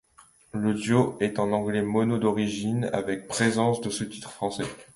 L'audio est en anglais mono d'origine avec présence de sous-titres français.